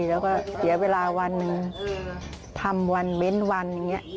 แล้วก็เสียเวลาวันหนึ่งทำวันเว้นวันอย่างนี้